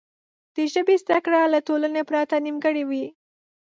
د ژبې زده کړه له ټولنې پرته نیمګړې وي.